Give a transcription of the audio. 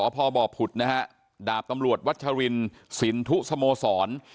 พบพุทธดาบกำรวจวัชชาวินสินทุสโมสร